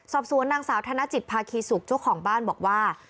สอบสวนนางสาวธนจิตภาคีสุกเจ้าของบ้านบอกว่า